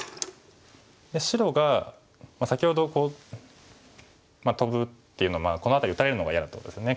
で白が先ほどこうトブっていうのはこの辺り打たれるのが嫌だってことですね